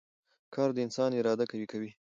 کار د انسان اراده قوي کوي